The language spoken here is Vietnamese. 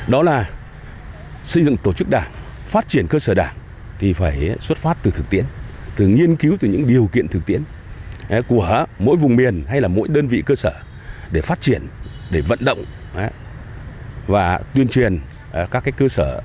để phát triển để vận động và tuyên truyền các cơ sở